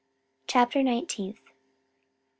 Chapter Nineteenth.